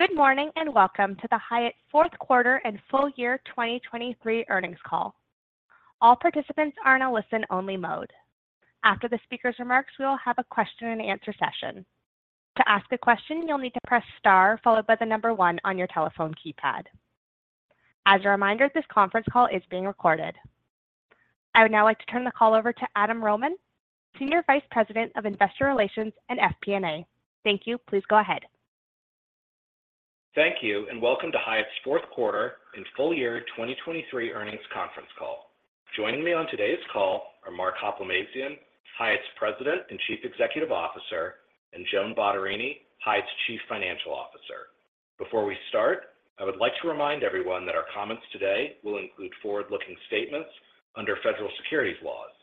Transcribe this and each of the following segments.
Good morning, and welcome to the Hyatt fourth quarter and full year 2023 earnings call. All participants are in a listen-only mode. After the speaker's remarks, we will have a question and answer session. To ask a question, you'll need to press Star, followed by the number oneon your telephone keypad. As a reminder, this conference call is being recorded. I would now like to turn the call over to Adam Rohman, Senior Vice President of Investor Relations and FP&A. Thank you. Please go ahead. Thank you, and welcome to Hyatt's fourth quarter and full year 2023 earnings conference call. Joining me on today's call are Mark Hoplamazian, Hyatt's President and Chief Executive Officer, and Joan Bottarini, Hyatt's Chief Financial Officer. Before we start, I would like to remind everyone that our comments today will include forward-looking statements under federal securities laws.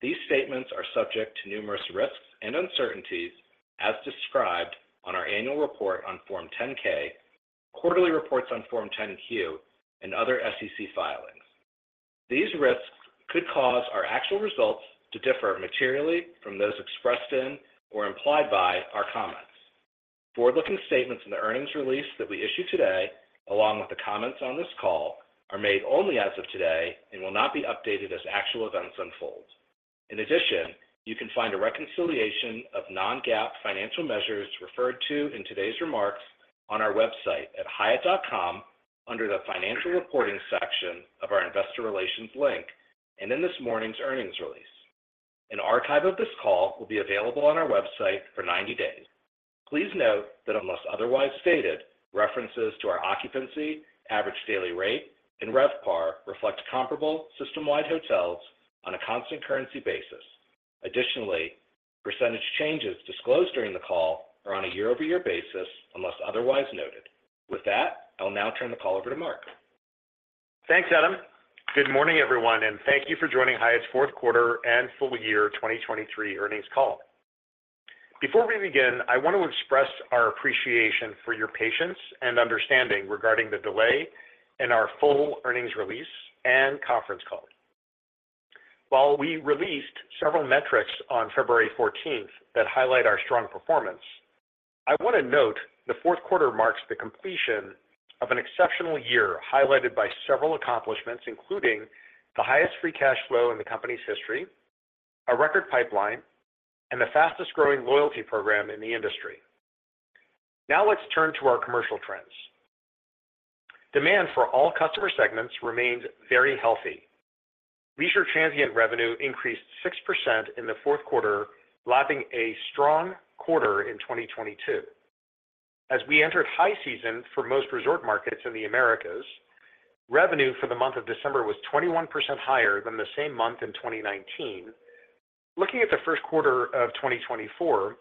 These statements are subject to numerous risks and uncertainties as described on our annual report on Form 10-K, quarterly reports on Form 10-Q, and other SEC filings. These risks could cause our actual results to differ materially from those expressed in or implied by our comments. Forward-looking statements in the earnings release that we issue today, along with the comments on this call, are made only as of today and will not be updated as actual events unfold. In addition, you can find a reconciliation of non-GAAP financial measures referred to in today's remarks on our website at hyatt.com under the Financial Reporting section of our Investor Relations link and in this morning's earnings release. An archive of this call will be available on our website for 90 days. Please note that unless otherwise stated, references to our occupancy, average daily rate, and RevPAR reflect comparable system-wide hotels on a constant currency basis. Additionally, percentage changes disclosed during the call are on a year-over-year basis, unless otherwise noted. With that, I'll now turn the call over to Mark. Thanks, Adam. Good morning, everyone, and thank you for joining Hyatt's fourth quarter and full year 2023 earnings call. Before we begin, I want to express our appreciation for your patience and understanding regarding the delay in our full earnings release and conference call. While we released several metrics on February 14 that highlight our strong performance, I want to note the fourth quarter marks the completion of an exceptional year, highlighted by several accomplishments, including the highest free cash flow in the company's history, a record pipeline, and the fastest-growing loyalty program in the industry. Now let's turn to our commercial trends. Demand for all customer segments remained very healthy. Leisure transient revenue increased 6% in the fourth quarter, lapping a strong quarter in 2022. As we entered high season for most resort markets in the Americas, revenue for the month of December was 21% higher than the same month in 2019. Looking at the first quarter of 2024,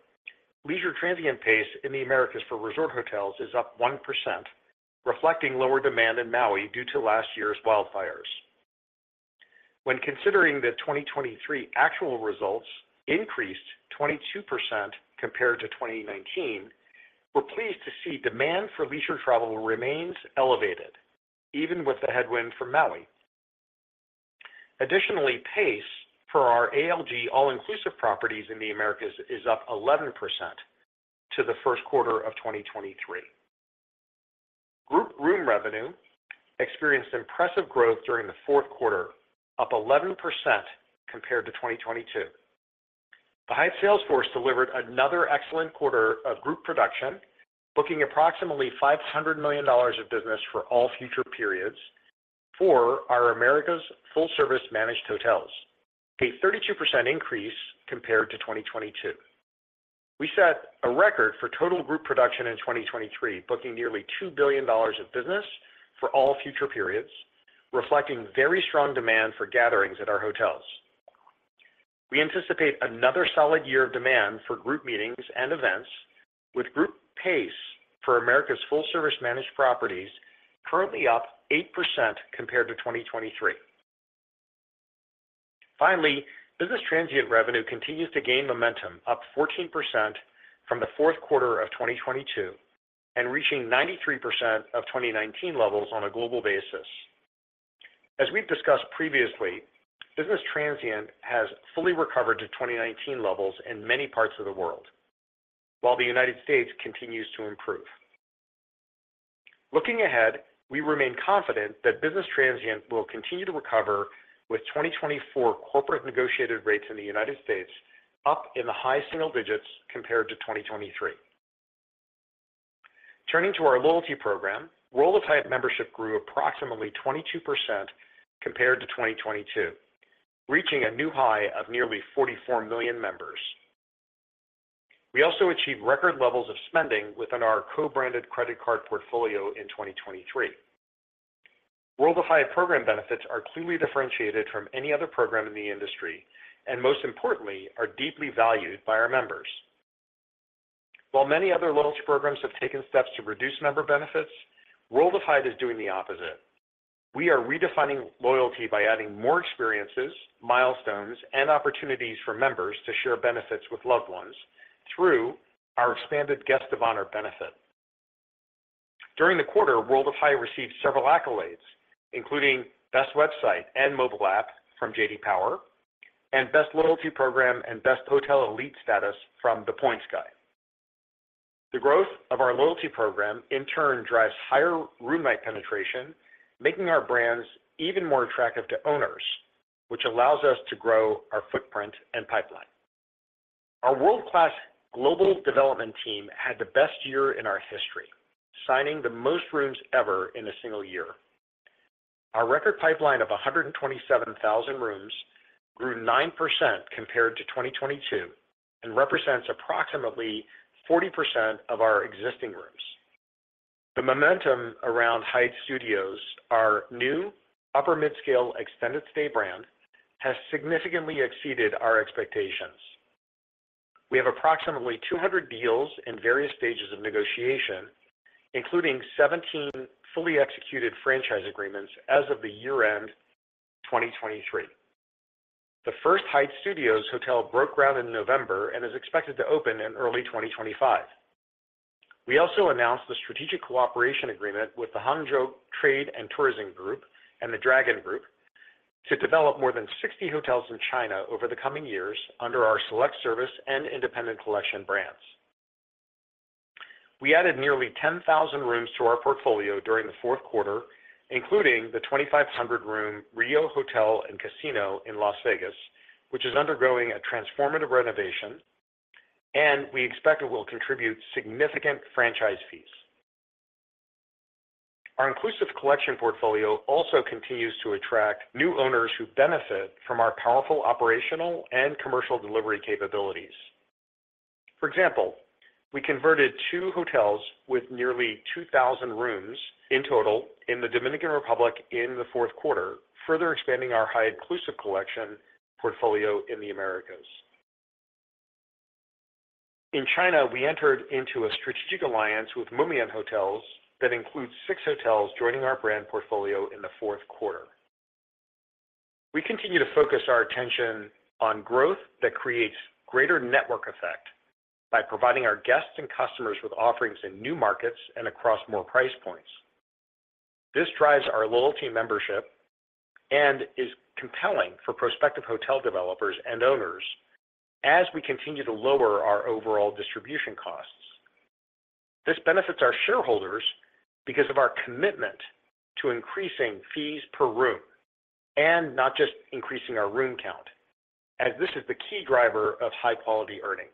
leisure transient pace in the Americas for resort hotels is up 1%, reflecting lower demand in Maui due to last year's wildfires. When considering the 2023 actual results increased 22% compared to 2019, we're pleased to see demand for leisure travel remains elevated, even with the headwind from Maui. Additionally, pace for our ALG all-inclusive properties in the Americas is up 11% to the first quarter of 2023. Group room revenue experienced impressive growth during the fourth quarter, up 11% compared to 2022. The Hyatt sales force delivered another excellent quarter of group production, booking approximately $500 million of business for all future periods for our Americas full-service managed hotels, a 32% increase compared to 2022. We set a record for total group production in 2023, booking nearly $2 billion of business for all future periods, reflecting very strong demand for gatherings at our hotels. We anticipate another solid year of demand for group meetings and events, with group pace for Americas full-service managed properties currently up 8% compared to 2023. Finally, business transient revenue continues to gain momentum, up 14% from the fourth quarter of 2022 and reaching 93% of 2019 levels on a global basis. As we've discussed previously, business transient has fully recovered to 2019 levels in many parts of the world, while the United States continues to improve. Looking ahead, we remain confident that business transient will continue to recover with 2024 corporate negotiated rates in the United States up in the high single digits compared to 2023. Turning to our loyalty program, World of Hyatt membership grew approximately 22% compared to 2022, reaching a new high of nearly 44 million members. We also achieved record levels of spending within our co-branded credit card portfolio in 2023. World of Hyatt program benefits are clearly differentiated from any other program in the industry and most importantly, are deeply valued by our members. While many other loyalty programs have taken steps to reduce member benefits, World of Hyatt is doing the opposite. We are redefining loyalty by adding more experiences, milestones, and opportunities for members to share benefits with loved ones through our expanded Guest of Honor benefit. During the quarter, World of Hyatt received several accolades, including Best Website and Mobile App from JD Power... and Best Loyalty Program and Best Hotel Elite Status from The Points Guy. The growth of our loyalty program in turn drives higher room night penetration, making our brands even more attractive to owners, which allows us to grow our footprint and pipeline. Our world-class global development team had the best year in our history, signing the most rooms ever in a single year. Our record pipeline of 217,000 rooms grew 9% compared to 2022, and represents approximately 40% of our existing rooms. The momentum around Hyatt Studios, our new upper midscale extended stay brand, has significantly exceeded our expectations. We have approximately 200 deals in various stages of negotiation, including 17 fully executed franchise agreements as of the year-end 2023. The First Hyatt Studios hotel broke ground in November and is expected to open in early 2025. We also announced the strategic cooperation agreement with the Hangzhou Trade and Tourism Group and the Dragon Group to develop more than 60 hotels in China over the coming years under our select service and Independent Collection brands. We added nearly 10,000 rooms to our portfolio during the fourth quarter, including the 2,500-room Rio Hotel & Casino in Las Vegas, which is undergoing a transformative renovation, and we expect it will contribute significant franchise fees. Our Inclusive Collection portfolio also continues to attract new owners who benefit from our powerful operational and commercial delivery capabilities. For example, we converted two hotels with nearly 2,000 rooms in total in the Dominican Republic in the fourth quarter, further expanding our Inclusive Collection portfolio in the Americas. In China, we entered into a strategic alliance with Mumian Hotels that includes six hotels joining our brand portfolio in the fourth quarter. We continue to focus our attention on growth that creates greater network effect by providing our guests and customers with offerings in new markets and across more price points. This drives our loyalty membership and is compelling for prospective hotel developers and owners as we continue to lower our overall distribution costs. This benefits our shareholders because of our commitment to increasing fees per room and not just increasing our room count, as this is the key driver of high-quality earnings.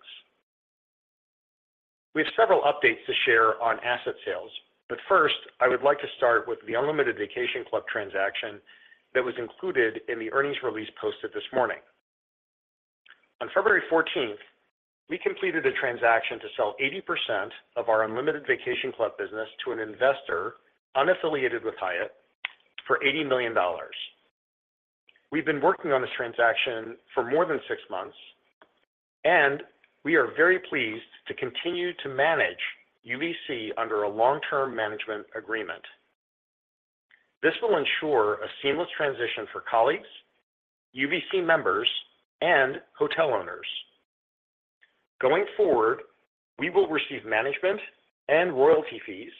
We have several updates to share on asset sales, but First, I would like to start with the Unlimited Vacation Club transaction that was included in the earnings release posted this morning. On February 14, we completed a transaction to sell 80% of our Unlimited Vacation Club business to an investor unaffiliated with Hyatt for $80 million. We've been working on this transaction for more than six months, and we are very pleased to continue to manage UVC under a long-term management agreement. This will ensure a seamless transition for colleagues, UVC members, and hotel owners. Going forward, we will receive management and royalty fees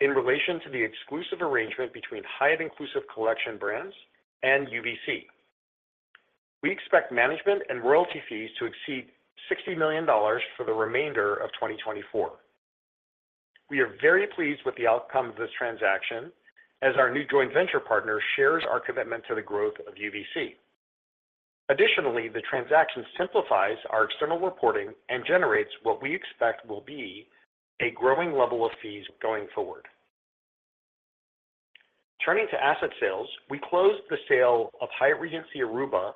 in relation to the exclusive arrangement between Hyatt Inclusive Collection Brands and UVC. We expect management and royalty fees to exceed $60 million for the remainder of 2024. We are very pleased with the outcome of this transaction, as our new joint venture partner shares our commitment to the growth of UVC. Additionally, the transaction simplifies our external reporting and generates what we expect will be a growing level of fees going forward. Turning to asset sales, we closed the sale of Hyatt Regency Aruba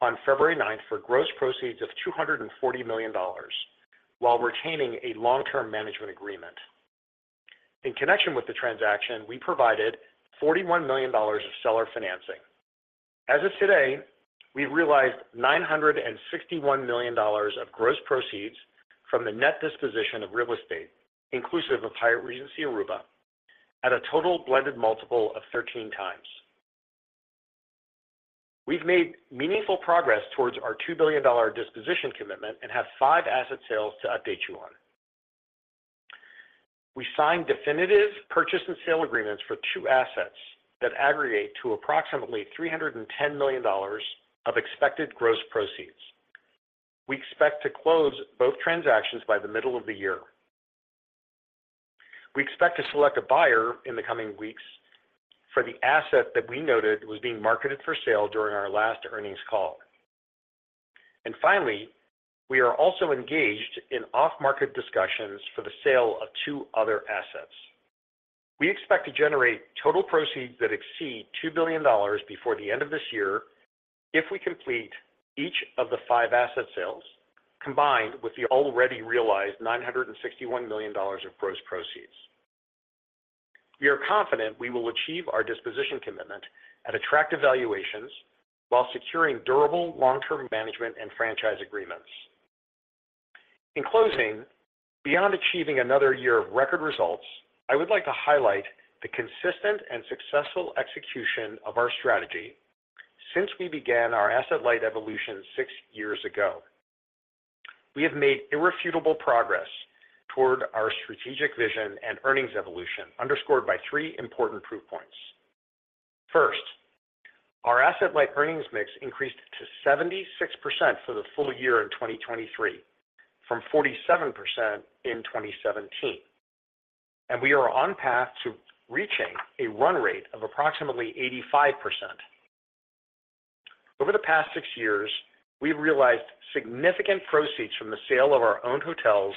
on February ninth for gross proceeds of $240 million, while retaining a long-term management agreement. In connection with the transaction, we provided $41 million of seller financing. As of today, we've realized $961 million of gross proceeds from the net disposition of real estate, inclusive of Hyatt Regency Aruba, at a total blended multiple of 13x. We've made meaningful progress towards our $2billion disposition commitment and have five asset sales to update you on. We signed definitive purchase and sale agreements for two assets that aggregate to approximately $310 million of expected gross proceeds. We expect to close both transactions by the middle of the year. We expect to select a buyer in the coming weeks for the asset that we noted was being marketed for sale during our last earnings call. Finally, we are also engaged in off-market discussions for the sale of two other assets. We expect to generate total proceeds that exceed $2 billion before the end of this year if we complete each of the five asset sales, combined with the already realized $961 million of gross proceeds. We are confident we will achieve our disposition commitment at attractive valuations while securing durable long-term management and franchise agreements. In closing, beyond achieving another year of record results, I would like to highlight the consistent and successful execution of our strategy since we began our asset-light evolution six years ago.... We have made irrefutable progress toward our strategic vision and earnings evolution, underscored by three important proof points. First, our asset-light earnings mix increased to 76% for the full year in 2023, from 47% in 2017, and we are on path to reaching a run rate of approximately 85%. Over the past six years, we've realized significant proceeds from the sale of our owned hotels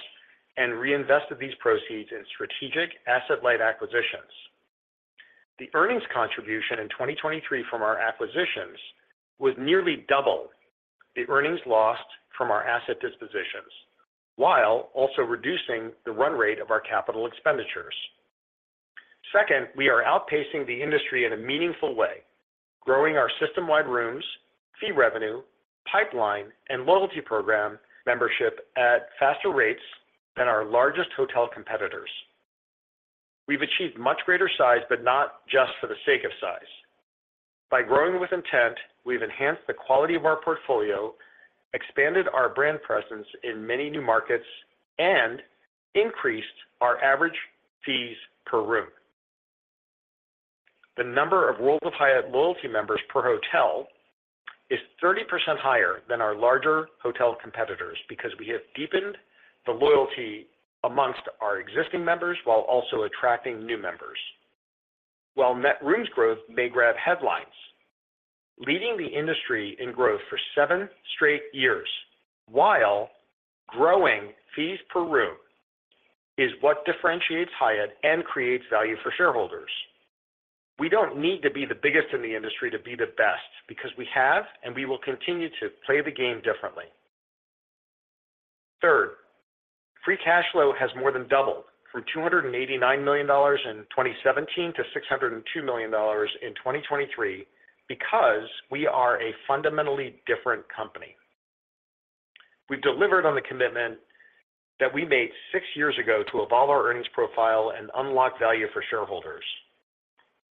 and reinvested these proceeds in strategic asset-light acquisitions. The earnings contribution in 2023 from our acquisitions was nearly double the earnings lost from our asset dispositions, while also reducing the run rate of our capital expenditures. Second, we are outpacing the industry in a meaningful way, growing our system-wide rooms, fee revenue, pipeline, and loyalty program membership at faster rates than our largest hotel competitors. We've achieved much greater size, but not just for the sake of size. By growing with intent, we've enhanced the quality of our portfolio, expanded our brand presence in many new markets, and increased our average fees per room. The number of World of Hyatt loyalty members per hotel is 30% higher than our larger hotel competitors because we have deepened the loyalty amongst our existing members while also attracting new members. While net rooms growth may grab headlines, leading the industry in growth for seven straight years, while growing fees per room, is what differentiates Hyatt and creates value for shareholders. We don't need to be the biggest in the industry to be the best, because we have and we will continue to play the game differently. Thirdly, free cash flow has more than doubled from $289 million in 2017 to $602 million in 2023, because we are a fundamentally different company. We've delivered on the commitment that we made six years ago to evolve our earnings profile and unlock value for shareholders.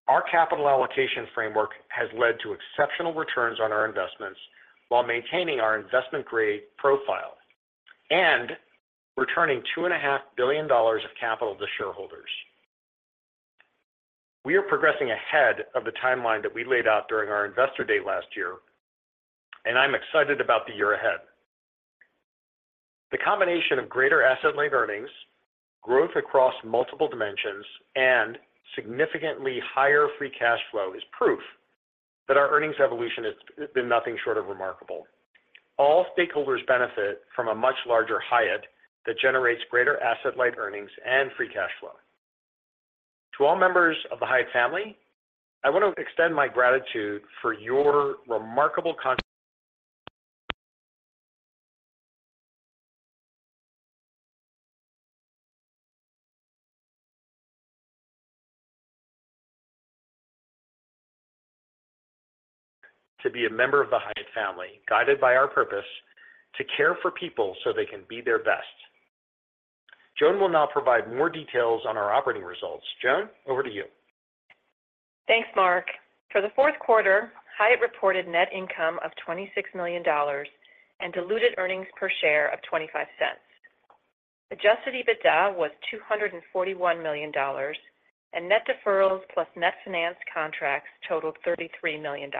Our capital allocation framework has led to exceptional returns on our investments while maintaining our investment grade profile and returning $2.5 billion of capital to shareholders. We are progressing ahead of the timeline that we laid out during our Investor Day last year, and I'm excited about the year ahead. The combination of greater asset-light earnings, growth across multiple dimensions, and significantly higher free cash flow is proof that our earnings evolution has been nothing short of remarkable. All stakeholders benefit from a much larger Hyatt that generates greater asset-light earnings and free cash flow. To all members of the Hyatt family, I want to extend my gratitude for your remarkable contribution. To be a member of the Hyatt family, guided by our purpose to care for people so they can be their best. Joan will now provide more details on our operating results. Joan, over to you. Thanks, Mark. For the fourth quarter, Hyatt reported net income of $26 million and diluted earnings per share of $0.25. Adjusted EBITDA was $241 million, and net deferrals plus net financed contracts totaled $33 million.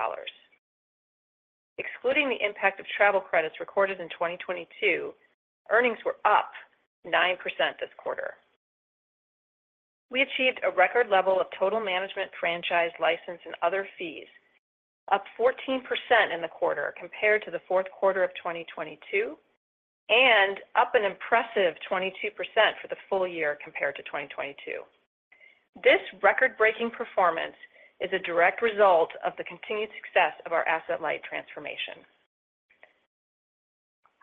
Excluding the impact of travel credits recorded in 2022, earnings were up 9% this quarter. We achieved a record level of total management, franchise, license, and other fees, up 14% in the quarter compared to the fourth quarter of 2022, and up an impressive 22% for the full year compared to 2022. This record-breaking performance is a direct result of the continued success of our asset-light transformation.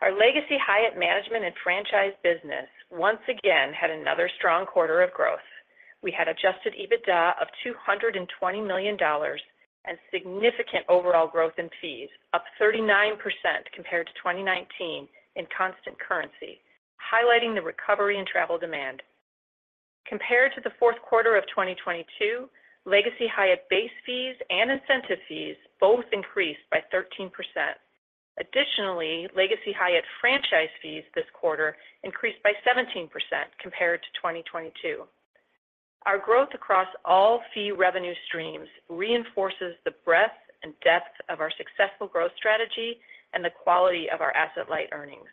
Our legacy Hyatt management and franchise business once again had another strong quarter of growth. We had Adjusted EBITDA of $220 million and significant overall growth in fees, up 39% compared to 2019 in constant currency, highlighting the recovery in travel demand. Compared to the fourth quarter of 2022, legacy Hyatt base fees and incentive fees both increased by 13%. Additionally, legacy Hyatt franchise fees this quarter increased by 17% compared to 2022. Our growth across all fee revenue streams reinforces the breadth and depth of our successful growth strategy and the quality of our asset-light earnings.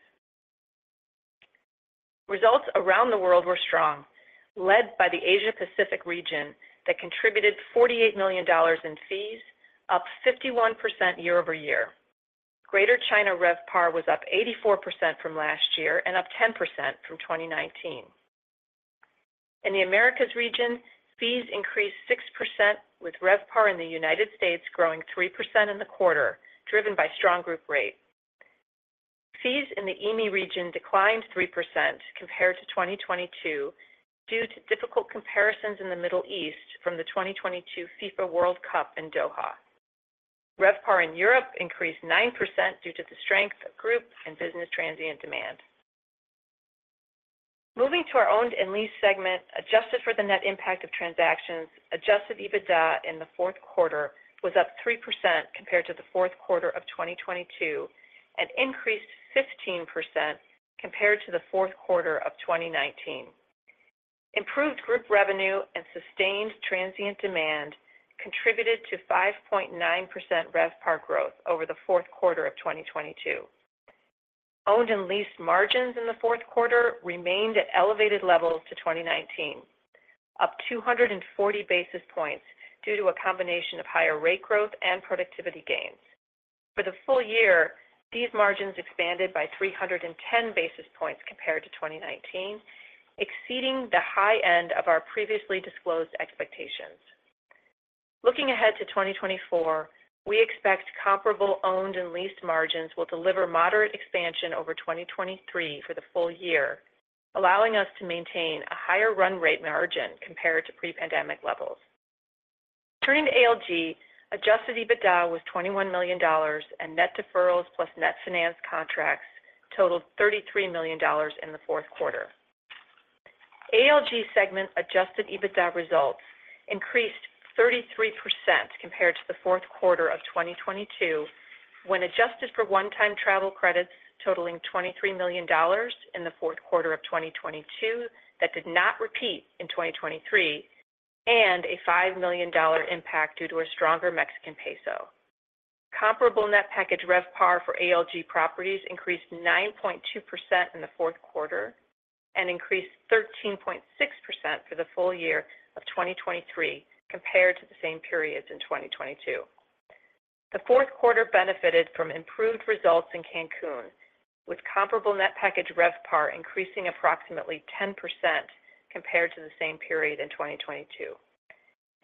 Results around the world were strong, led by the Asia Pacific region that contributed $48 million in fees, up 51% year-over-year. Greater China RevPAR was up 84% from last year and up 10% from 2019. In the Americas region, fees increased 6%, with RevPAR in the United States growing 3% in the quarter, driven by strong group rate. Fees in the EAME region declined 3% compared to 2022 due to difficult comparisons in the Middle East from the 2022 FIFA World Cup in Doha. RevPAR in Europe increased 9% due to the strength of group and business transient demand.... Moving to our owned and leased segment, adjusted for the net impact of transactions, adjusted EBITDA in the fourth quarter was up 3% compared to the fourth quarter of 2022, and increased 15% compared to the fourth quarter of 2019. Improved group revenue and sustained transient demand contributed to 5.9% RevPAR growth over the fourth quarter of 2022. Owned and leased margins in the fourth quarter remained at elevated levels to 2019, up 240 basis points due to a combination of higher rate growth and productivity gains. For the full year, these margins expanded by 310 basis points compared to 2019, exceeding the high end of our previously disclosed expectations. Looking ahead to 2024, we expect comparable owned and leased margins will deliver moderate expansion over 2023 for the full year, allowing us to maintain a higher run rate margin compared to pre-pandemic levels. Turning to ALG, adjusted EBITDA was $21 million, and net deferrals plus net financed contracts totaled $33 million in the fourth quarter. ALG segment Adjusted EBITDA results increased 33% compared to the fourth quarter of2022, when adjusted for one-time travel credits totaling $23 million in the fourth quarter of 2022, that did not repeat in 2023, and a $5 million impact due to a stronger Mexican peso. Comparable Net Package RevPAR for ALG properties increased 9.2% in the fourth quarter and increased 13.6% for the full year of 2023 compared to the same periods in 2022. The fourth quarter benefited from improved results in Cancun, with comparable Net Package RevPAR increasing approximately 10% compared to the same period in 2022.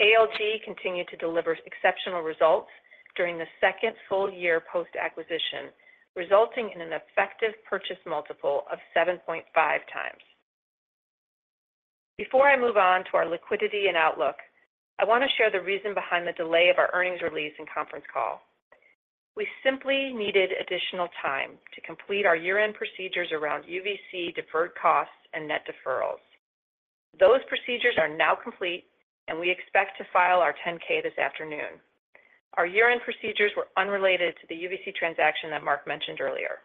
ALG continued to deliver exceptional results during the second full year post-acquisition, resulting in an effective purchase multiple of 7.5x. Before I move on to our liquidity and outlook, I want to share the reason behind the delay of our earnings release and conference call. We simply needed additional time to complete our year-end procedures around UVC deferred costs and net deferrals. Those procedures are now complete, and we expect to file of 10-K this afternoon. Our year-end procedures were unrelated to the UVC transaction that Mark mentioned earlier.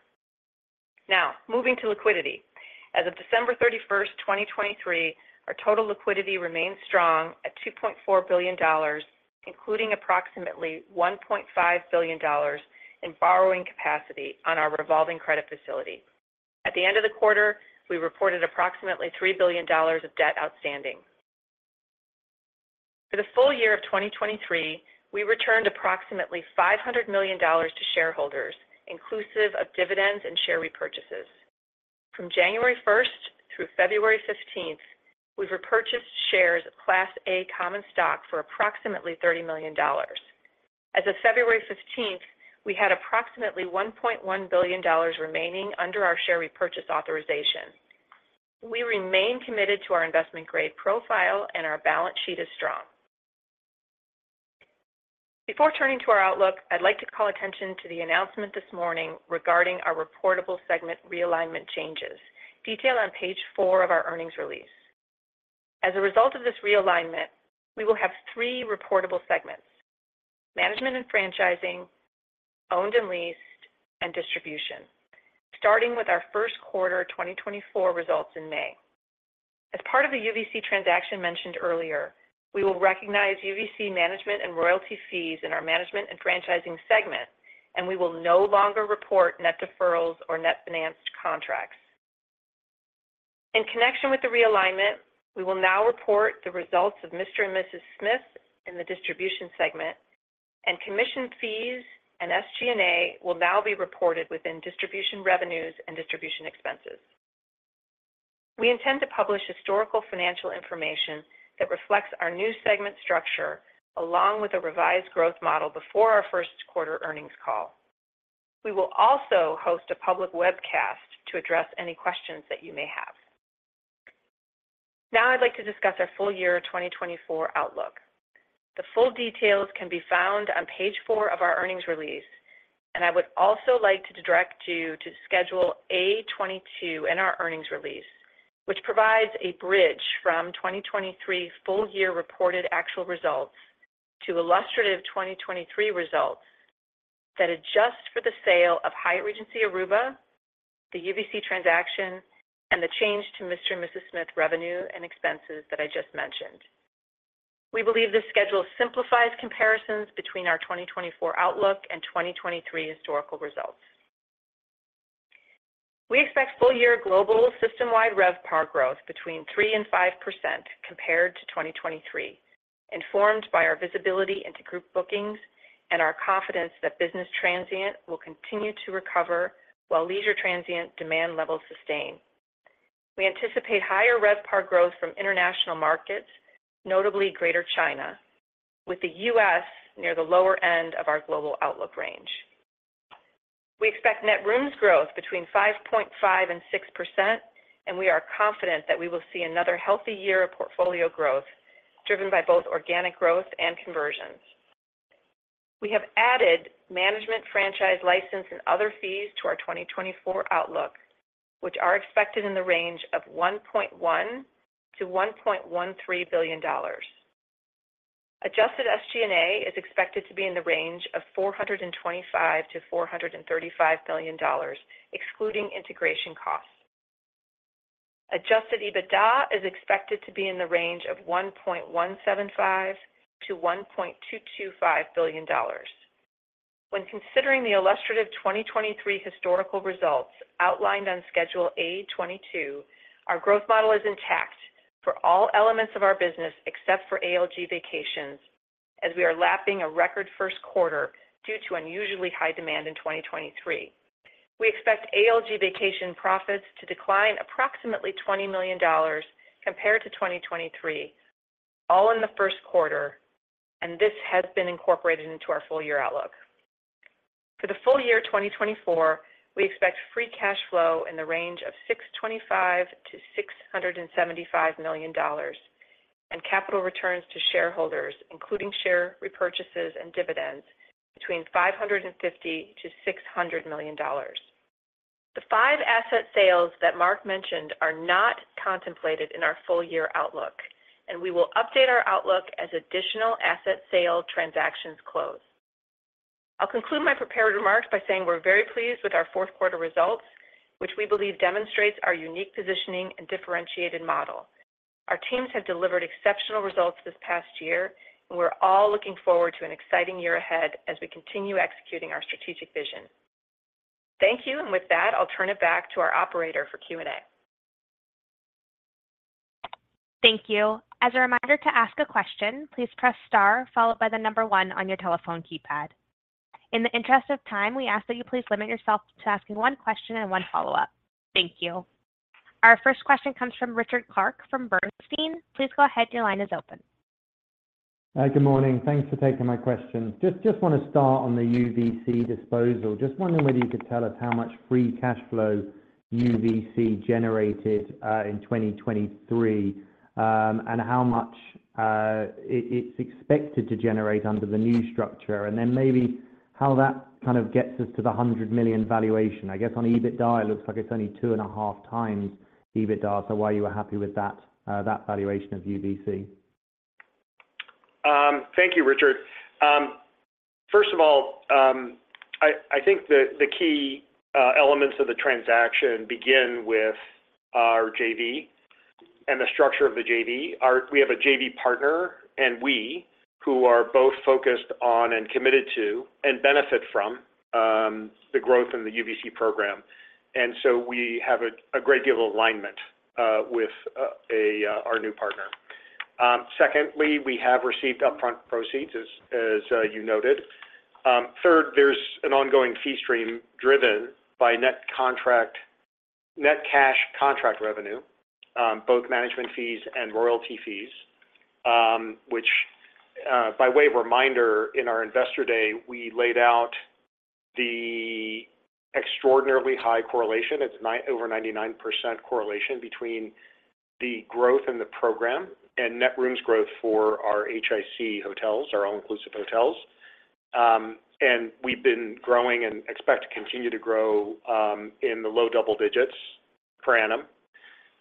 Now, moving to liquidity. As of December 31, 2023, our total liquidity remains strong at $2.4 billion, including approximately $1.5 billion in borrowing capacity on our revolving credit facility. At the end of the quarter, we reported approximately $3 billion of debt outstanding. For the full year of 2023, we returned approximately $500 million to shareholders, inclusive of dividends and share repurchases. From January 1 through February 15, we've repurchased shares of Class A common stock for approximately $30 million. As of February 15, we had approximately $1.1 billion remaining under our share repurchase authorization. We remain committed to our investment-grade profile, and our balance sheet is strong. Before turning to our outlook, I'd like to call attention to the announcement this morning regarding our reportable segment realignment changes, detailed on page four of our earnings release. As a result of this realignment, we will have three reportable segments: Management and Franchising, Owned and Leased, and Distribution, starting with our first quarter 2024 results in May. As part of the UVC transaction mentioned earlier, we will recognize UVC management and royalty fees in our management and franchising segment, and we will no longer report net deferrals or net financed contracts. In connection with the realignment, we will now report the results of Mr & Mrs Smith in the distribution segment, and commission fees and SG&A will now be reported within distribution revenues and distribution expenses. We intend to publish historical financial information that reflects our new segment structure, along with a revised growth model before our first quarter earnings call. We will also host a public webcast to address any questions that you may have. Now I'd like to discuss our full year 2024 outlook. The full details can be found on page four of our earnings release, and I would also like to direct you to Schedule A-22 in our earnings release, which provides a bridge from 2023 full-year reported actual results to illustrative 2023 results that adjust for the sale of Hyatt Regency Aruba, the UVC transaction, and the change to Mr & Mrs Smith revenue and expenses that I just mentioned. We believe this schedule simplifies comparisons between our 2024 outlook and 2023 historical results. We expect full-year global system-wide RevPAR growth between 3% and 5% compared to 2023, informed by our visibility into group bookings and our confidence that business transient will continue to recover, while leisure transient demand levels sustain. We anticipate higher RevPAR growth from international markets, notably Greater China, with the US near the lower end of our global outlook range. We expect net rooms growth between 5.5% and 6%, and we are confident that we will see another healthy year of portfolio growth driven by both organic growth and conversions.... We have added management, franchise, license, and other fees to our 2024 outlook, which are expected in the range of $1.1 billion-$1.13 billion. Adjusted SG&A is expected to be in the range of $425 million-$435 million, excluding integration costs. Adjusted EBITDA is expected to be in the range of $1.175 billion-$1.225 billion. When considering the illustrative 2023 historical results outlined on Schedule A-22, our growth model is intact for all elements of our business, except for ALG Vacations, as we are lapping a record first quarter due to unusually high demand in 2023. We expect ALG Vacations profits to decline approximately $20 million compared to 2023, all in the first quarter, and this has been incorporated into our full year outlook. For the full year 2024, we expect free cash flow in the range of $625 million-$675 million, and capital returns to shareholders, including share repurchases and dividends, between $550 million-$600 million. The five asset sales that Mark mentioned are not contemplated in our full year outlook, and we will update our outlook as additional asset sale transactions close. I'll conclude my prepared remarks by saying we're very pleased with our fourth quarter results, which we believe demonstrates our unique positioning and differentiated model. Our teams have delivered exceptional results this past year, and we're all looking forward to an exciting year ahead as we continue executing our strategic vision. Thank you, and with that, I'll turn it back to our operator for Q&A. Thank you. As a reminder to ask a question, please press star followed by the number First on your telephone keypad. In the interest of time, we ask that you please limit yourself to asking one question and one follow-up. Thank you. Our first question comes from Richard Clarke from Bernstein. Please go ahead. Your line is open. Hi, good morning. Thanks for taking my question. Just want to start on the UVC disposal. Just wondering whether you could tell us how much free cash flow UVC generated in 2023, and how much it's expected to generate under the new structure? And then maybe how that kind of gets us to the $100 million valuation. I guess on EBITDA, it looks like it's only 2.5x EBITDA, so why you are happy with that valuation of UVC? Thank you, Richard. First of all, I think the key elements of the transaction begin with our JV and the structure of the JV. Our-- We have a JV partner and we, who are both focused on and committed to, and benefit from, the growth in the UVC program, and so we have a great deal of alignment with our new partner. Secondly, we have received upfront proceeds, as you noted. Thirdly, there's an ongoing fee stream driven by net contract-- net cash contract revenue, both management fees and royalty fees. Which, by way of reminder, in our Investor Day, we laid out the extraordinarily high correlation. It's nine-- over 99% correlation between the growth in the program and net rooms growth for our HIC hotels, our all-inclusive hotels. And we've been growing and expect to continue to grow in the low double digits per annum.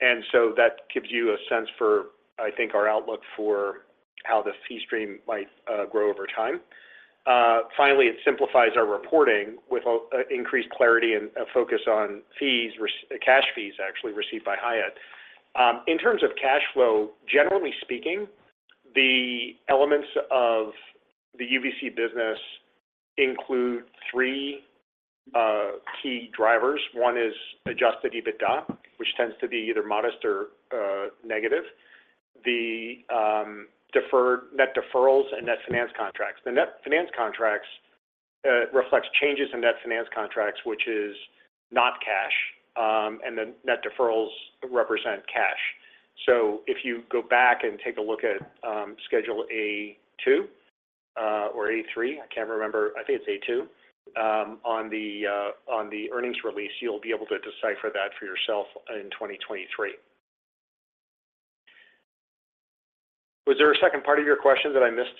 And so that gives you a sense for, I think, our outlook for how the fee stream might grow over time. Finally, it simplifies our reporting with an increased clarity and a focus on fees, cash fees, actually, received by Hyatt. In terms of cash flow, generally speaking, the elements of the UVC business include 3 key drivers. First is Adjusted EBITDA, which tends to be either modest or negative. The net deferrals and net financed contracts. The net financed contracts reflects changes in net financed contracts, which is not cash, and the net deferrals represent cash. So if you go back and take a look at Schedule A-2 or A-3, I can't remember, I think it's A-2, on the earnings release, you'll be able to decipher that for yourself in 2023. Was there a second part of your question that I missed?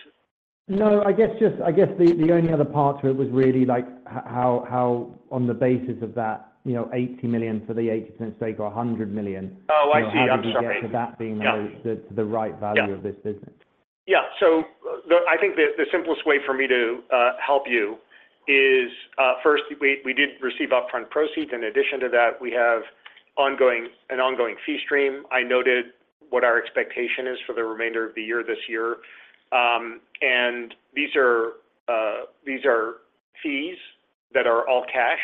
No, I guess just, I guess the, the only other part to it was really, like, how on the basis of that, you know, $80 million for the 80% stake or $100 million- Oh, I see. I'm sorry. How did you get to that being the- Yeah... the right value of this business? Yeah. So I think the simplest way for me to help you is, first, we did receive upfront proceeds. In addition to that, we have an ongoing fee stream. I noted what our expectation is for the remainder of the year this year. And these are fees that are all cash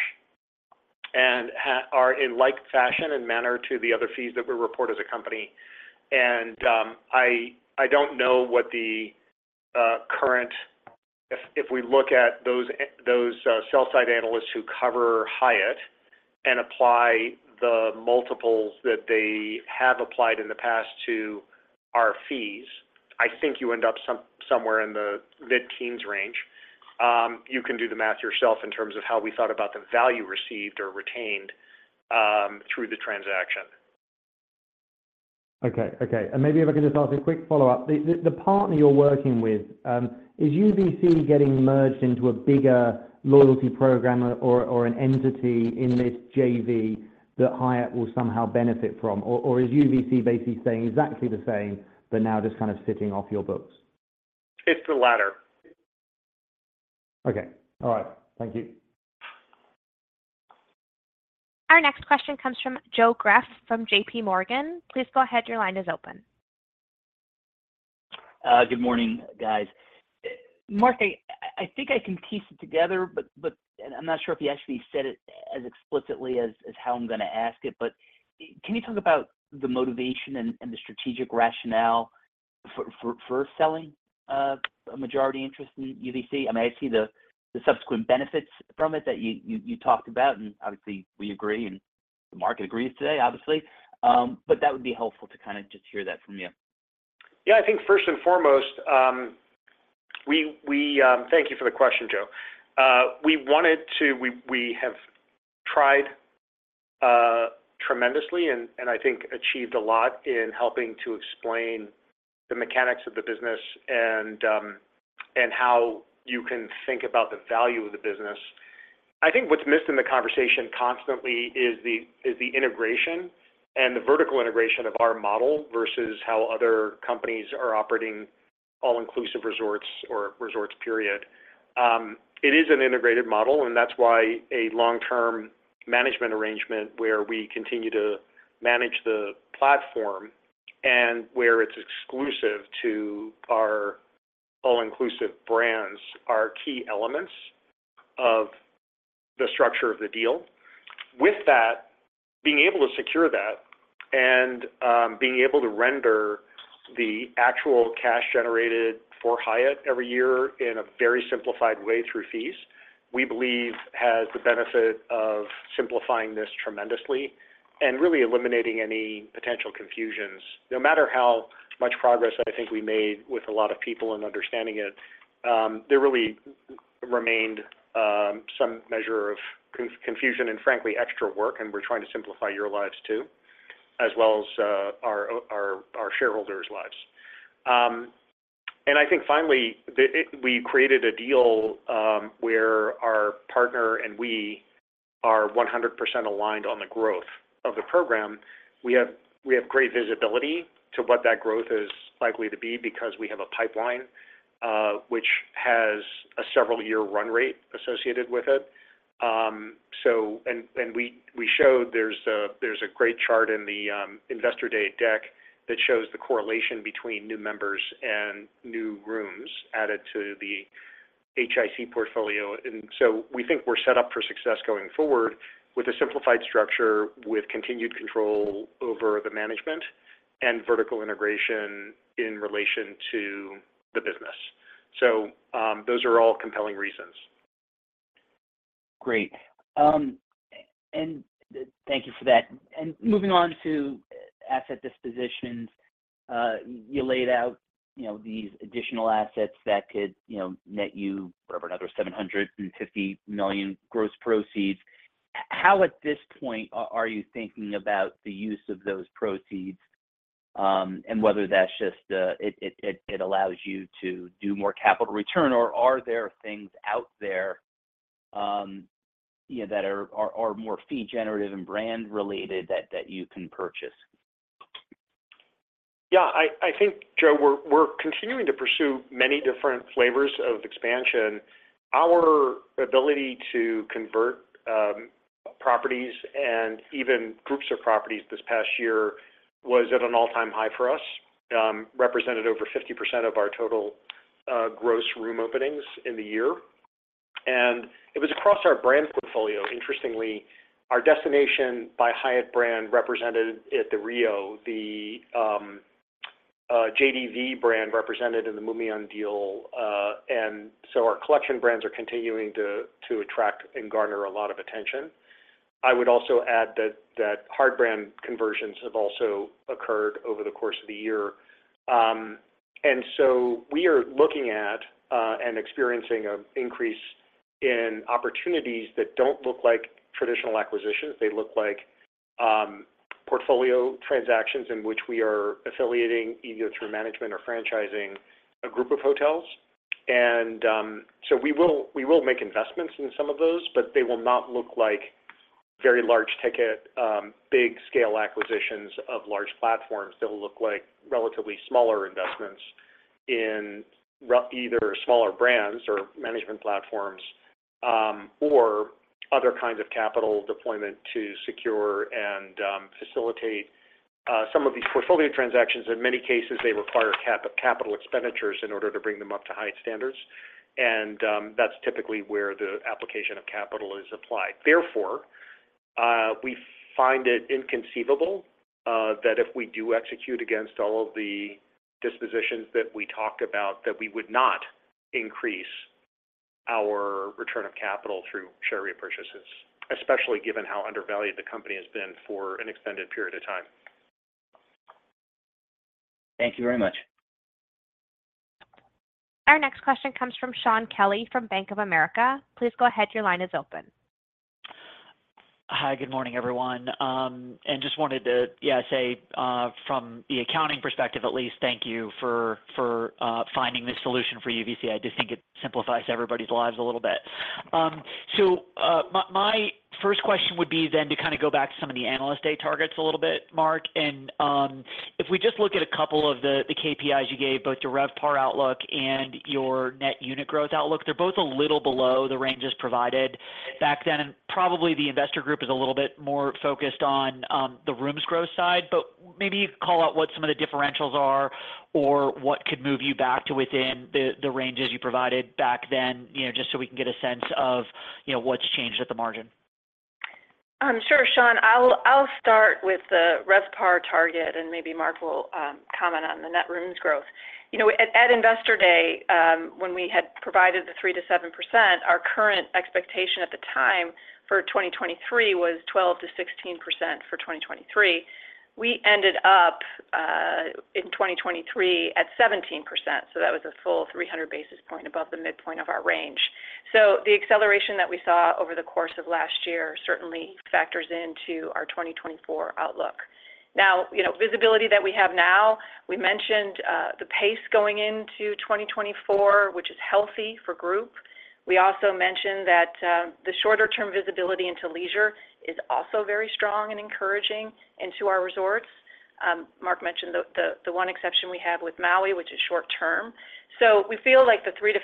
and are in like fashion and manner to the other fees that we report as a company. And I don't know what the current... If we look at those sell side analysts who cover Hyatt and apply the multiples that they have applied in the past to our fees, I think you end up somewhere in the mid-teens range. You can do the math yourself in terms of how we thought about the value received or retained through the transaction.... Okay, okay, and maybe if I could just ask a quick follow-up. The partner you're working with, is UVC getting merged into a bigger loyalty program or an entity in this JV that Hyatt will somehow benefit from? Or is UVC basically staying exactly the same, but now just kind of sitting off your books? It's the latter. Okay, all right. Thank you. Our next question comes from Joe Greff from J.P. Morgan. Please go ahead, your line is open. Good morning, guys. Mark, I think I can piece it together, but and I'm not sure if you actually said it as explicitly as how I'm going to ask it, but can you talk about the motivation and the strategic rationale for selling a majority interest in UVC? I mean, I see the subsequent benefits from it that you talked about, and obviously we agree, and the market agrees today, obviously. But that would be helpful to kind of just hear that from you. Yeah, I think first and foremost... Thank you for the question, Joe. We wanted to -- we have tried tremendously and I think achieved a lot in helping to explain the mechanics of the business and how you can think about the value of the business. I think what's missed in the conversation constantly is the integration and the vertical integration of our model, versus how other companies are operating all-inclusive resorts or resorts, period. It is an integrated model, and that's why a long-term management arrangement where we continue to manage the platform and where it's exclusive to our all-inclusive brands are key elements of the structure of the deal. With that, being able to secure that and, being able to render the actual cash generated for Hyatt every year in a very simplified way through fees, we believe has the benefit of simplifying this tremendously and really eliminating any potential confusions. No matter how much progress I think we made with a lot of people in understanding it, there really remained some measure of confusion and frankly, extra work, and we're trying to simplify your lives too, as well as our shareholders' lives. And I think finally, we created a deal where our partner and we are 100% aligned on the growth of the program. We have great visibility to what that growth is likely to be, because we have a pipeline which has a several-year run rate associated with it. So, we showed there's a great chart in the Investor Day deck that shows the correlation between new members and new rooms added to the HIC portfolio. And so we think we're set up for success going forward with a simplified structure, with continued control over the management and vertical integration in relation to the business. So, those are all compelling reasons. Great. And thank you for that. And moving on to asset dispositions. You laid out, you know, these additional assets that could, you know, net you whatever, another $750 million gross proceeds. How at this point, are you thinking about the use of those proceeds, and whether that's just, it allows you to do more capital return, or are there things out there, you know, that are more fee generative and brand related, that you can purchase? Yeah, I think, Joe, we're continuing to pursue many different flavors of expansion. Our ability to convert properties and even groups of properties this past year was at an all-time high for us, represented over 50% of our total gross room openings in the year. And it was across our brand portfolio, interestingly, our Destination by Hyatt brand, represented at the Rio, the JdV brand, represented in the Mumian deal, and so our collection brands are continuing to attract and garner a lot of attention. I would also add that hard brand conversions have also occurred over the course of the year. And so we are looking at and experiencing an increase in opportunities that don't look like traditional acquisitions. They look like portfolio transactions in which we are affiliating, either through management or franchising, a group of hotels. So we will, we will make investments in some of those, but they will not look like very large ticket big scale acquisitions of large platforms. They'll look like relatively smaller investments in either smaller brands or management platforms, or other kinds of capital deployment to secure and facilitate some of these portfolio transactions. In many cases, they require capital expenditures in order to bring them up to Hyatt standards, and that's typically where the application of capital is applied. Therefore, we find it inconceivable that if we do execute against all of the dispositions that we talked about, that we would not increase our return of capital through share repurchases, especially given how undervalued the company has been for an extended period of time. Thank you very much.... Next question comes from Shaun Kelley from Bank of America. Please go ahead. Your line is open. Hi, good morning, everyone. And just wanted to, yeah, say, from the accounting perspective at least, thank you for, for, finding this solution for UVCI. I just think it simplifies everybody's lives a little bit. So, my first question would be then to kind of go back to some of the Analyst Day targets a little bit, Mark, and, if we just look at a couple of the, the KPIs you gave, both your RevPAR outlook and your net unit growth outlook, they're both a little below the ranges provided back then, and probably the investor group is a little bit more focused on, the rooms growth side. But maybe you could call out what some of the differentials are or what could move you back to within the ranges you provided back then, you know, just so we can get a sense of, you know, what's changed at the margin. Sure, Shaun. I'll start with the RevPAR target, and maybe Mark will comment on the net rooms growth. You know, at Investor Day, when we had provided the 3%-7%, our current expectation at the time for 2023 was 21%-16% for 2023. We ended up in 2023 at 17%, so that was a full 300 basis points above the midpoint of our range. So the acceleration that we saw over the course of last year certainly factors into our 2024 outlook. Now, you know, visibility that we have now, we mentioned the pace going into 2024, which is healthy for group. We also mentioned that the shorter term visibility into leisure is also very strong and encouraging into our resorts. Mark mentioned the one exception we have with Maui, which is short term. So we feel like the 3%-5%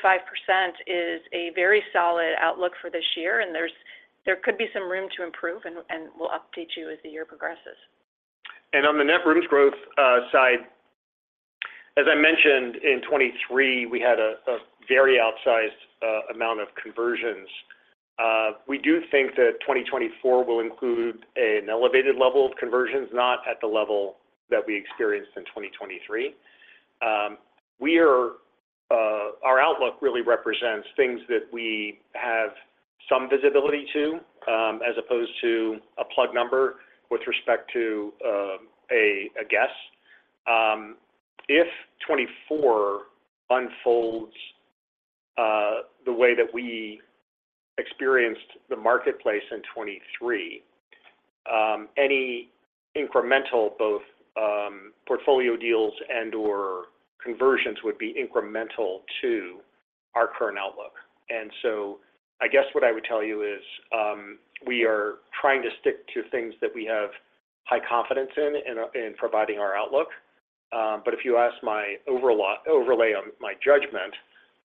is a very solid outlook for this year, and there could be some room to improve, and we'll update you as the year progresses. And on the net rooms growth side, as I mentioned, in 2023, we had a very outsized amount of conversions. We do think the 2024 will include an elevated level of conversions, not at the level that we experienced in 2023. Our outlook really represents things that we have some visibility to, as opposed to a plug number with respect to a guess. If 2024 unfolds the way that we experienced the marketplace in 2023, any incremental, both portfolio deals and or conversions would be incremental to our current outlook. And so I guess what I would tell you is, we are trying to stick to things that we have high confidence in, in providing our outlook. But if you ask my overall overlay on my judgment,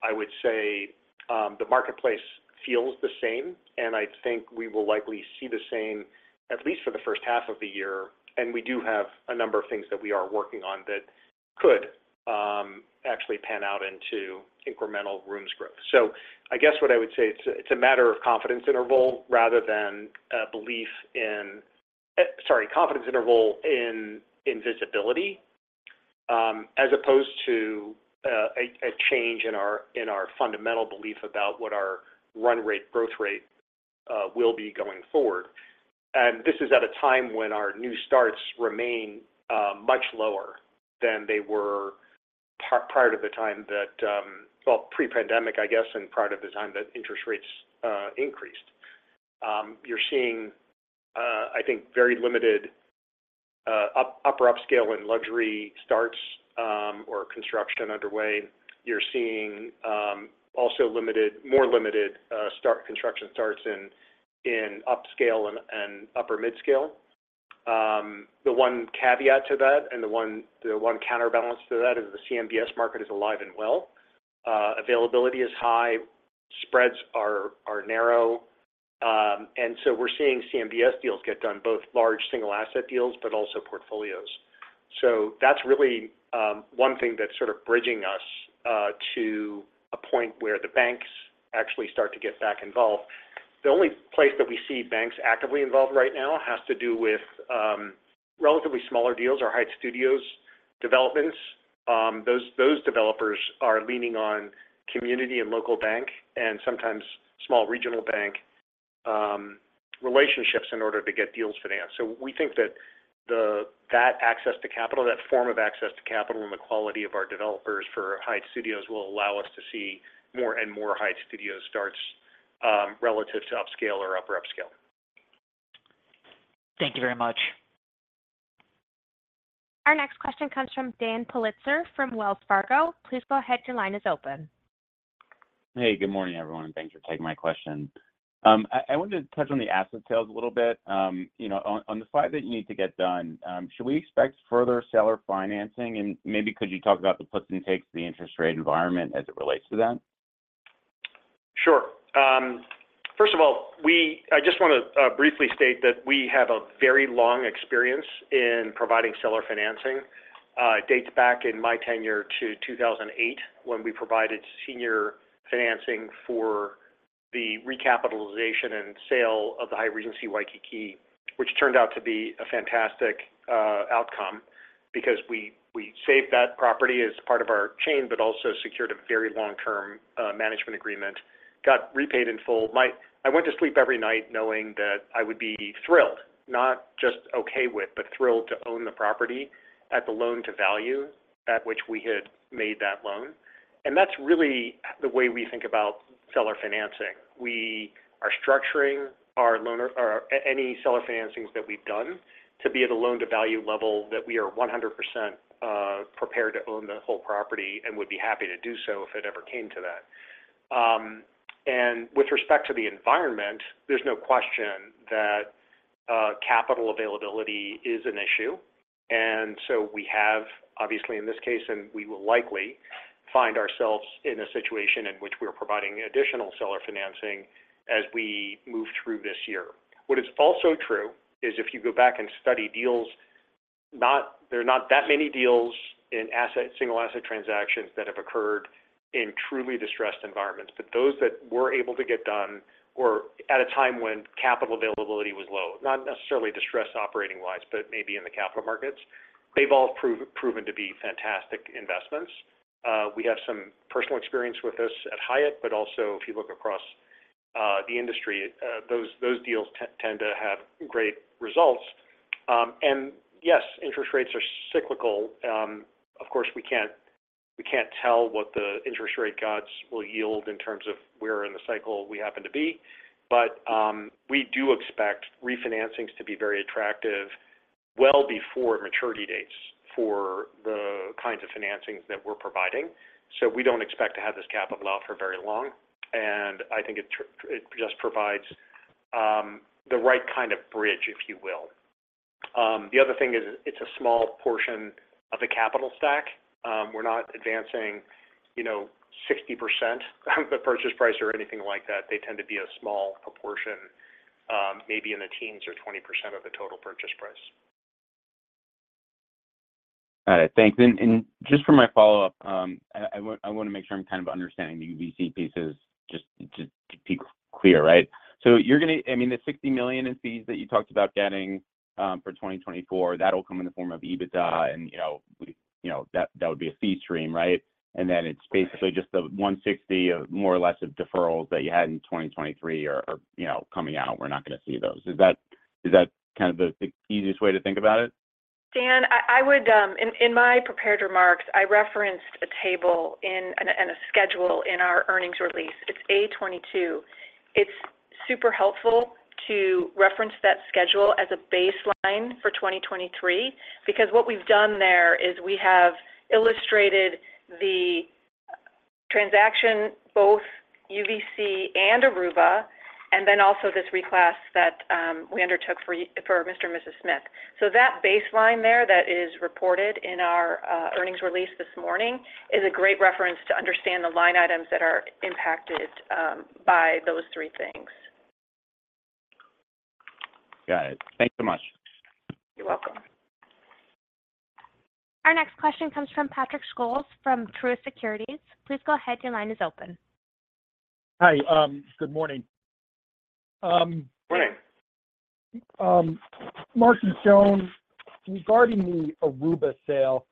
I would say, the marketplace feels the same, and I think we will likely see the same at least for the first half of the year, and we do have a number of things that we are working on that could, actually pan out into incremental rooms growth. So I guess what I would say, it's a matter of confidence interval rather than a belief in... sorry, confidence interval in visibility, as opposed to a change in our fundamental belief about what our run rate, growth rate, will be going forward. This is at a time when our new starts remain much lower than they were prior to the time that... Well, pre-pandemic, I guess, and prior to the time that interest rates increased. You're seeing, I think, very limited upper upscale and luxury starts, or construction underway. You're seeing, also limited, more limited construction starts in upscale and upper mid-scale. The one caveat to that, and the one, the one counterbalance to that, is the CMBS market is alive and well. Availability is high, spreads are, are narrow, and so we're seeing CMBS deals get done, both large single asset deals, but also portfolios. So that's really, one thing that's sort of bridging us, to a point where the banks actually start to get back involved. The only place that we see banks actively involved right now has to do with, relatively smaller deals or Hyatt Studios developments. Those developers are leaning on community and local bank, and sometimes small regional bank, relationships in order to get deals financed. So we think that that access to capital, that form of access to capital and the quality of our developers for Hyatt Studios will allow us to see more and more Hyatt Studios starts, relative to upscale or upper upscale. Thank you very much. Our next question comes from Dan Politzer from Wells Fargo. Please go ahead. Your line is open. Hey, good morning, everyone, and thanks for taking my question. I wanted to touch on the asset sales a little bit. You know, on the slide that you need to get done, should we expect further seller financing? And maybe could you talk about the puts and takes the interest rate environment as it relates to that? Sure. First of all, I just wanna briefly state that we have a very long experience in providing seller financing. It dates back in my tenure to 2008, when we provided senior financing for the recapitalization and sale of the Hyatt Regency Waikiki, which turned out to be a fantastic outcome because we saved that property as part of our chain, but also secured a very long-term management agreement, got repaid in full. I went to sleep every night knowing that I would be thrilled, not just okay with, but thrilled to own the property at the loan to value at which we had made that loan. And that's really the way we think about seller financing. We are structuring our loans or any seller financings that we've done, to be at a loan-to-value level that we are 100% prepared to own the whole property, and would be happy to do so if it ever came to that. And with respect to the environment, there's no question that capital availability is an issue. And so we have, obviously, in this case, and we will likely find ourselves in a situation in which we are providing additional seller financing as we move through this year. What is also true is if you go back and study deals, there are not that many deals in single asset transactions that have occurred in truly distressed environments. But those that were able to get done were at a time when capital availability was low, not necessarily distressed operating-wise, but maybe in the capital markets. They've all proven to be fantastic investments. We have some personal experience with this at Hyatt, but also, if you look across the industry, those deals tend to have great results. And yes, interest rates are cyclical. Of course, we can't tell what the interest rate gods will yield in terms of where in the cycle we happen to be. But we do expect refinancings to be very attractive well before maturity dates for the kinds of financings that we're providing. So we don't expect to have this cap up for very long, and I think it just provides the right kind of bridge, if you will. The other thing is, it's a small portion of the capital stack. We're not advancing, you know, 60% of the purchase price or anything like that. They tend to be a small proportion, maybe in the teens or 20% of the total purchase price. Got it. Thanks. And just for my follow-up, I want to make sure I'm kind of understanding the UVC pieces just to be clear, right? So you're gonna... I mean, the $60 million in fees that you talked about getting for 2024, that'll come in the form of EBITDA, and, you know, that would be a fee stream, right? And then it's basically just the $160 million or so of deferrals that you had in 2023 or, you know, coming out, we're not going to see those. Is that kind of the easiest way to think about it? Dan, I would, in my prepared remarks, I referenced a table and a schedule in our earnings release. It's A-22. It's super helpful to reference that schedule as a baseline for 2023, because what we've done there is we have illustrated the transaction, both UVC and Aruba, and then also this reclass that we undertook for Mr & Mrs Smith. So that baseline there that is reported in our earnings release this morning is a great reference to understand the line items that are impacted by those three things. Got it. Thank you so much. You're welcome. Our next question comes from Patrick Scholes, from Truist Securities. Please go ahead. Your line is open. Hi, good morning. Good morning. Mark and Joan, regarding the Aruba sale,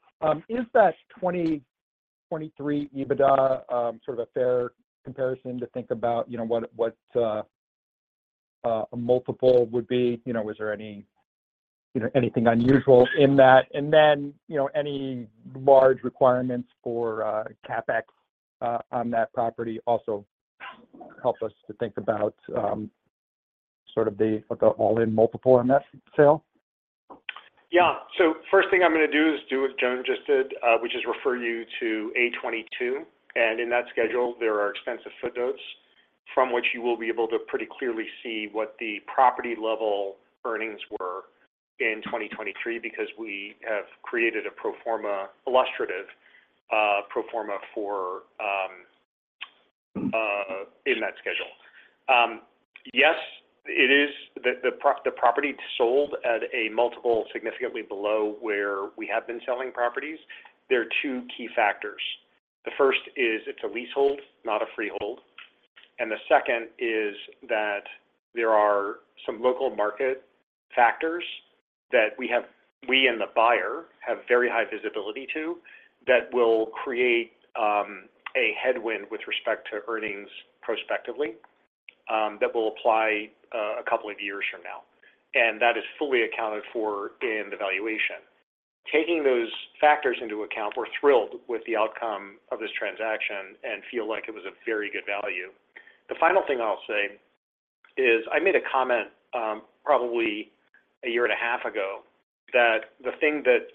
is that 2023 EBITDA, sort of a fair comparison to think about, you know, what a multiple would be? You know, was there any, you know, anything unusual in that? And then, you know, any large requirements for, CapEx, on that property also help us to think about, sort of what the all-in multiple on that sale? Yeah. So first thing I'm going to do is do what Joan just did, which is refer you to A-22. And in that schedule, there are extensive footnotes from which you will be able to pretty clearly see what the property-level earnings were in 2023, because we have created a pro forma, illustrative, pro forma for, in that schedule. Yes, it is. The property sold at a multiple, significantly below where we have been selling properties. There are two key factors. The first is it's a leasehold, not a freehold, and the second is that there are some local market factors that we and the buyer have very high visibility to, that will create, a headwind with respect to earnings prospectively, that will apply, a couple of years from now. That is fully accounted for in the valuation. Taking those factors into account, we're thrilled with the outcome of this transaction and feel like it was a very good value. The final thing I'll say is, I made a comment, probably a year and a half ago, that the thing that,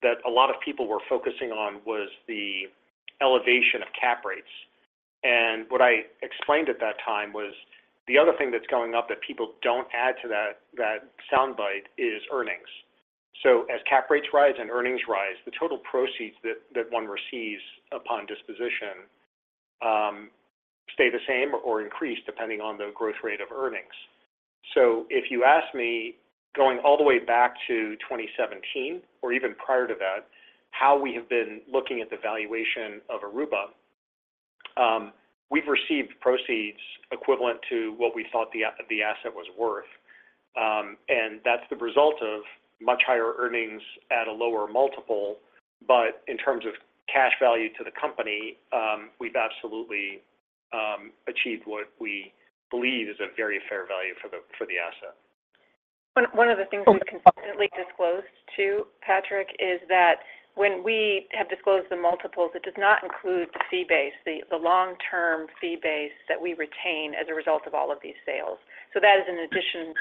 that a lot of people were focusing on was the elevation of cap rates. And what I explained at that time was the other thing that's going up that people don't add to that, that sound bite is earnings. So as cap rates rise and earnings rise, the total proceeds that, that one receives upon disposition, stay the same or increase, depending on the growth rate of earnings. So if you ask me, going all the way back to 2017 or even prior to that, how we have been looking at the valuation of Aruba, we've received proceeds equivalent to what we thought the asset was worth. And that's the result of much higher earnings at a lower multiple, but in terms of cash value to the company, we've absolutely achieved what we believe is a very fair value for the asset.... One of the things we've constantly disclosed to Patrick is that when we have disclosed the multiples, it does not include the fee base, the long-term fee base that we retain as a result of all of these sales. So that is in addition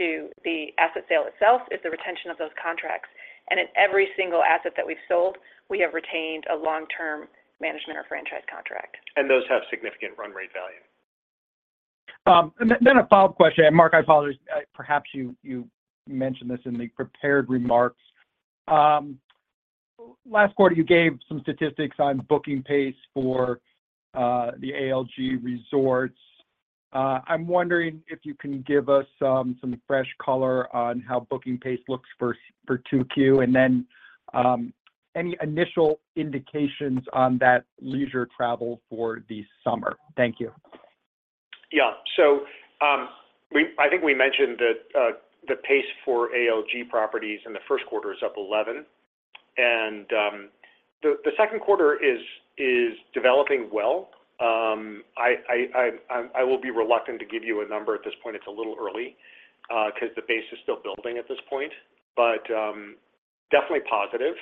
to the asset sale itself, is the retention of those contracts. And in every single asset that we've sold, we have retained a long-term management or franchise contract. Those have significant run rate value. Then a follow-up question. Mark, I apologize, perhaps you mentioned this in the prepared remarks. Last quarter, you gave some statistics on booking pace for the ALG resorts. I'm wondering if you can give us some fresh color on how booking pace looks for 2Q, and then any initial indications on that leisure travel for the summer? Thank you. Yeah. So, I think we mentioned that the pace for ALG properties in the first quarter is up 11, and the second quarter is developing well. I will be reluctant to give you a number at this point. It's a little early, 'cause the base is still building at this point, but definitely positive.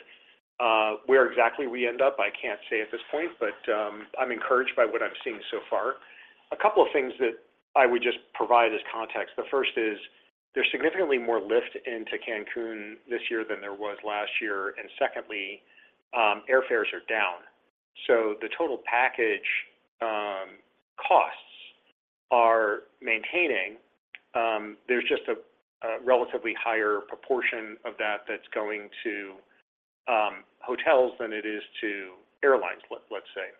Where exactly we end up, I can't say at this point, but I'm encouraged by what I'm seeing so far. A couple of things that I would just provide as context. The first is, there's significantly more lift into Cancun this year than there was last year. And secondly, airfares are down, so the total package costs are maintaining. There's just a relatively higher proportion of that that's going to hotels than it is to airlines, let's say.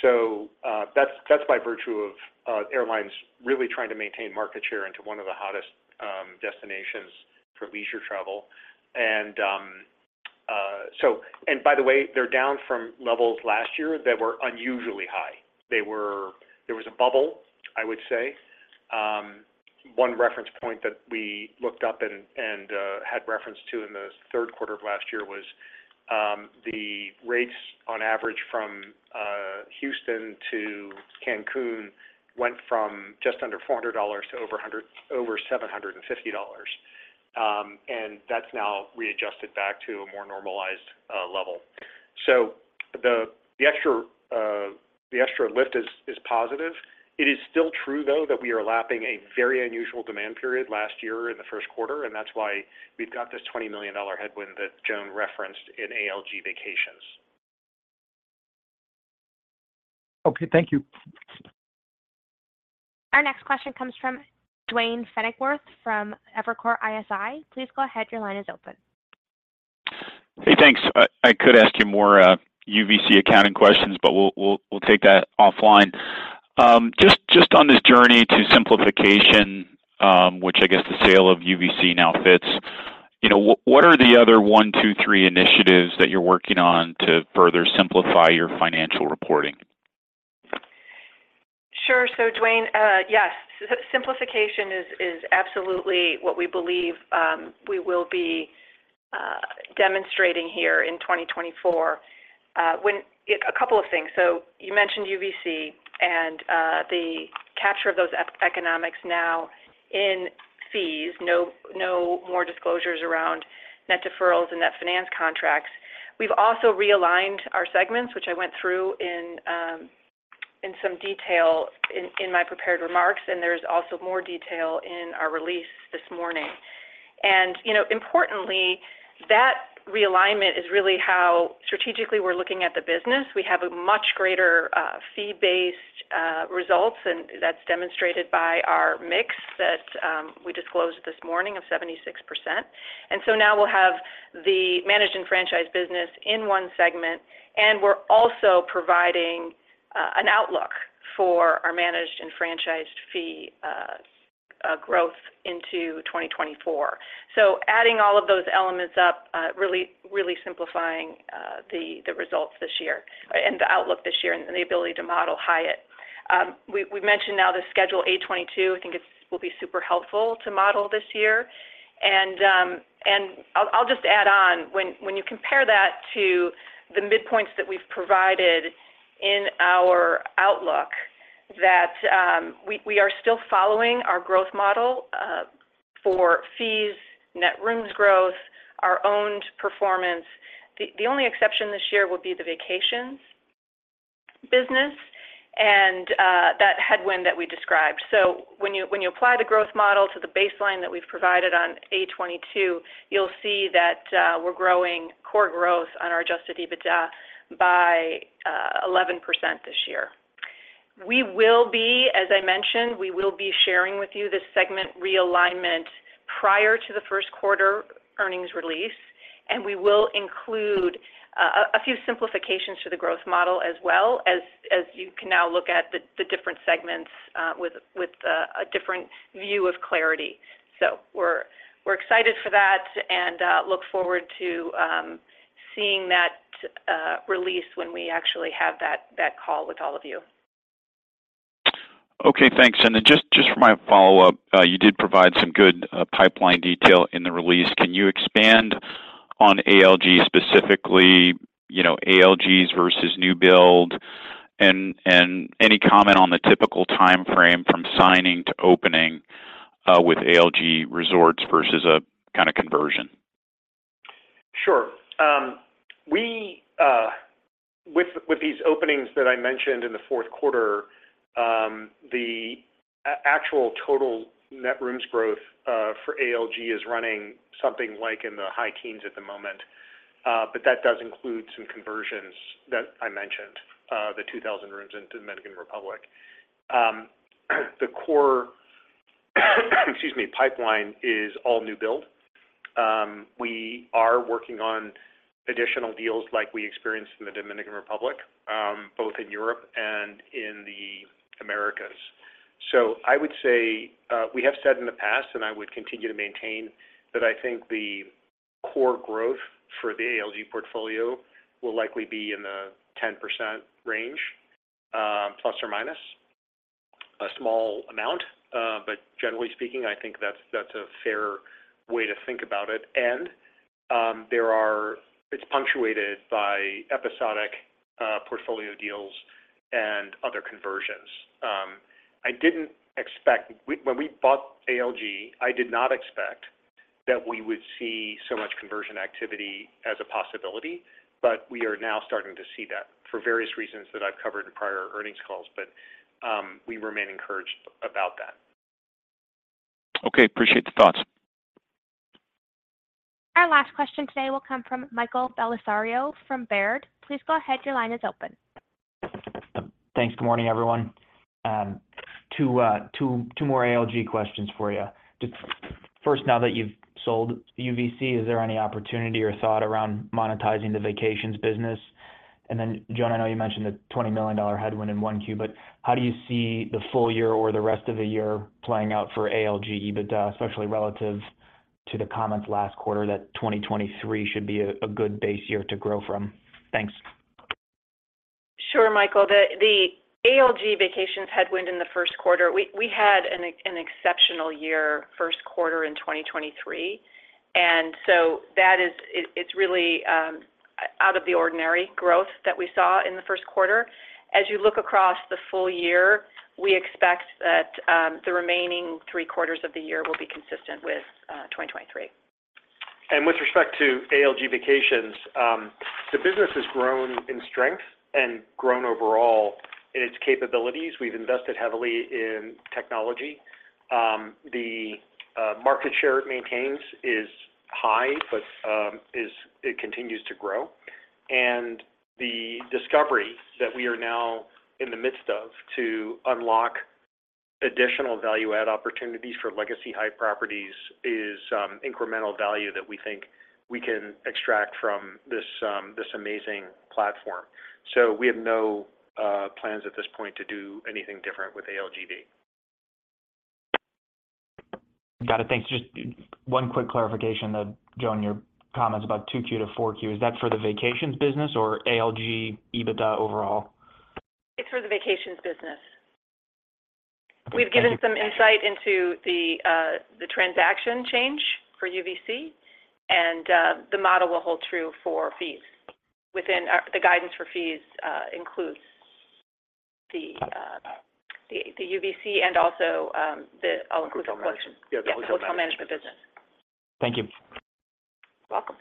So, that's by virtue of airlines really trying to maintain market share into one of the hottest destinations for leisure travel. And by the way, they're down from levels last year that were unusually high. They were. There was a bubble, I would say. One reference point that we looked up and had reference to in the third quarter of last year was the rates on average from Houston to Cancun went from just under $400 to over $750. And that's now readjusted back to a more normalized level. So the extra lift is positive. It is still true, though, that we are lapping a very unusual demand period last year in the first quarter, and that's why we've got this $20 million headwind that Joan referenced in ALG Vacations. Okay. Thank you. Our next question comes from Duane Pfennigwerth from Evercore ISI. Please go ahead. Your line is open. Hey, thanks. I could ask you more UVC accounting questions, but we'll take that offline. Just on this journey to simplification, which I guess the sale of UVC now fits, you know, what are the other one, two, three initiatives that you're working on to further simplify your financial reporting? Sure. So Duane, yes, simplification is absolutely what we believe we will be demonstrating here in 2024. A couple of things. So you mentioned UVC and the capture of those economics now in fees. No, no more disclosures around net deferrals and net financed contracts. We've also realigned our segments, which I went through in some detail in my prepared remarks, and there's also more detail in our release this morning. And, you know, importantly, that realignment is really how strategically we're looking at the business. We have a much greater fee-based results, and that's demonstrated by our mix that we disclosed this morning of 76%. And so now we'll have the managed and franchised business in one segment, and we're also providing an outlook for our managed and franchised fee growth into 2024. So adding all of those elements up, really, really simplifying the results this year and the outlook this year and the ability to model Hyatt. We've mentioned now the Schedule A-22, I think it's-- will be super helpful to model this year. And I'll just add on, when you compare that to the midpoints that we've provided in our outlook, that we are still following our growth model for fees, net rooms growth, our owned performance. The only exception this year will be the vacations business and that headwind that we described. So when you apply the growth model to the baseline that we've provided on A-22, you'll see that we're growing core growth on our Adjusted EBITDA by 11% this year. We will be, as I mentioned, sharing with you this segment realignment prior to the first quarter earnings release, and we will include a few simplifications to the growth model as well, as you can now look at the different segments with a different view of clarity. So we're excited for that and look forward to seeing that release when we actually have that call with all of you. Okay, thanks. And then just for my follow-up, you did provide some good pipeline detail in the release. Can you expand on ALG specifically, you know, ALG's versus new build? And any comment on the typical time frame from signing to opening with ALG Resorts versus a kind of conversion? Sure. With these openings that I mentioned in the fourth quarter, the actual total net rooms growth for ALG is running something like in the high teens at the moment. But that does include some conversions that I mentioned, the 2,000 rooms in Dominican Republic. The core pipeline is all new build. We are working on additional deals like we experienced in the Dominican Republic, both in Europe and in the Americas. So I would say, we have said in the past, and I would continue to maintain, that I think the core growth for the ALG portfolio will likely be in the 10% range, plus or minus a small amount. But generally speaking, I think that's a fair way to think about it. There are. It's punctuated by episodic portfolio deals and other conversions. I didn't expect... When we bought ALG, I did not expect that we would see so much conversion activity as a possibility, but we are now starting to see that for various reasons that I've covered in prior earnings calls. We remain encouraged about that. Okay, appreciate the thoughts. Our last question today will come from Michael Bellisario from Baird. Please go ahead, your line is open. Thanks. Good morning, everyone. Two more ALG questions for you. Just first, now that you've sold UVC, is there any opportunity or thought around monetizing the vacations business? And then, Joan, I know you mentioned the $20 million headwind in 1-Q, but how do you see the full year or the rest of the year playing out for ALG EBITDA, especially relative to the comments last quarter, that 2023 should be a good base year to grow from? Thanks. Sure, Michael. The ALG Vacations headwind in the first quarter, we had an exceptional year, first quarter in 2023, and so that is, it's really, out of the ordinary growth that we saw in the first quarter. As you look across the full year, we expect that, the remaining three quarters of the year will be consistent with, 2023. And with respect to ALG Vacations, the business has grown in strength and grown overall in its capabilities. We've invested heavily in technology. The market share it maintains is high, but it continues to grow. And the discovery that we are now in the midst of to unlock additional value add opportunities for legacy Hyatt properties is incremental value that we think we can extract from this amazing platform. So we have no plans at this point to do anything different with ALGV. Got it. Thanks. Just one quick clarification, that Joan, your comments about 2Q to 4Q, is that for the vacations business or ALG EBITDA overall? It's for the vacations business. Thank you. We've given some insight into the transaction change for UVC, and the model will hold true for fees. The guidance for fees includes the UVC and also the I'll include the- Management. Yeah, hotel management business. Thank you. Welcome.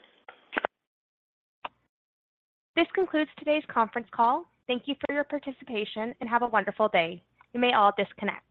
This concludes today's conference call. Thank you for your participation, and have a wonderful day. You may all disconnect.